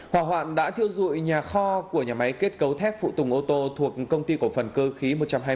hỏa hoạn đã thiêu dụi nhà kho của nhà máy kết cấu thép phụ tùng ô tô thuộc công ty cổ phần cơ khí một trăm hai mươi